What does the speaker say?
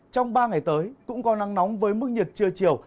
trong ba ngày tới cũng có nắng nóng với mức nhiệt trưa chiều